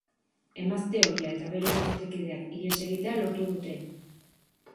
Emazte ohia eta bere bikotekideak ihes egitea lortu dute.